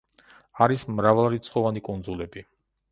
არის მრავალრიცხოვანი კუნძულები.